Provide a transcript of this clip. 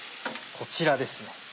こちらですね。